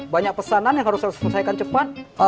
banyak pesanan yang harus saya selesaikan cepat